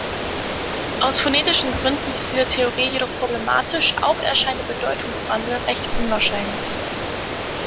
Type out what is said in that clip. Aus phonetischen Gründen ist diese Theorie jedoch problematisch, auch erscheint der Bedeutungswandel recht unwahrscheinlich.